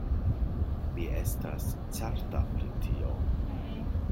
Mi estas certa pri tio.